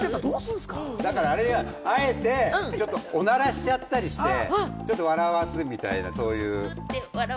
あえて、ちょっとおならしちゃったりして、笑わすみたいな。